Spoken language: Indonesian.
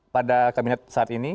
pada kabinet saat ini